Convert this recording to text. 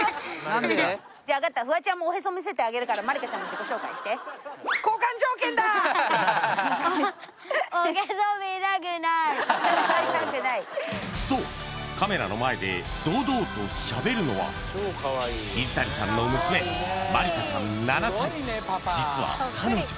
何で？じゃ分かったフワちゃんもおへそ見せてあげるから茉莉花ちゃんも自己紹介しておへそ見たくないとカメラの前で堂々としゃべるのは水谷さんの娘茉莉花ちゃん７歳実は彼女